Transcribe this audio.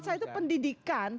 buat saya itu pendidikan